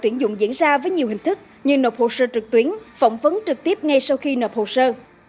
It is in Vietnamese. nộp hồ sơ trực tuyến phỏng vấn trực tiếp ngay sau khi nộp hồ sơ